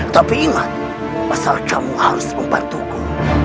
tapi ingat asal kamu harus membantuku